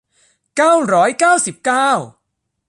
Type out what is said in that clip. เก้าร้อยเก้าสิบเก้า